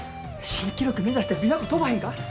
新記録目指して琵琶湖飛ばへんか？